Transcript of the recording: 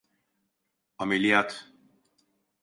Ameliyat.